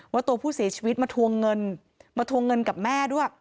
ว่าตัวผู้เสียชีวิตมาทวงเงินมาทวงเงินกับแม่ด้วย